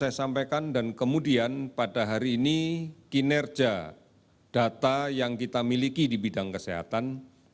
saya sampaikan dan kemudian pada hari ini kinerja data yang kita miliki di bidang kesehatan